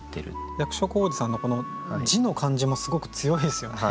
役所広司さんのこの字の感じもすごく強いですよね